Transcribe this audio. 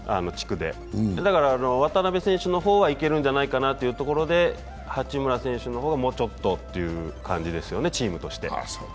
だから渡邊選手の方は行けるんじゃないかなというところで八村選手の方はもうちょっとという感じですよね、チームとして。